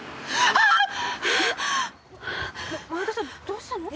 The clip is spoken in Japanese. どうしたの？